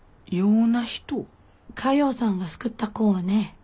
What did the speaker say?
佳代さんが救った子ね。